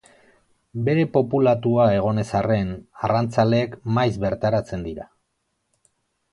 Bere populatua egon ez arren, arrantzaleek maiz bertaratzen dira.